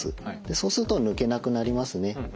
そうすると抜けなくなりますね。